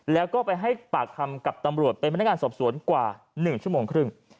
แล้วก็ไปให้ปากคำกับตำรวจเป็นพนักงานสอบสวนกว่า๑ชั่วโมงครึ่ง